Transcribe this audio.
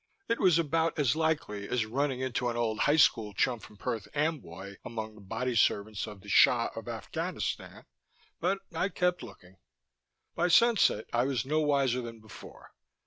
It was about as likely as running into an old high school chum from Perth Amboy among the body servants of the Shah of Afghanistan, but I kept looking. By sunset I was no wiser than before.